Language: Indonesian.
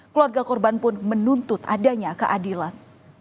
keluarga korban pun menuntut adanya keadilan